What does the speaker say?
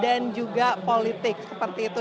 dan juga politik seperti itu